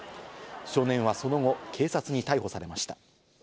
少年は、その後、警察に逮捕されました。